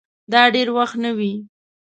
دا دېر وخت نه وې